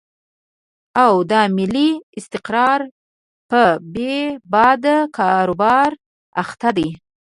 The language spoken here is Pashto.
او د ملي استقرار په بې باد کاروبار اخته دي.